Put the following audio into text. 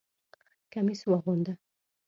کمیس واغونده!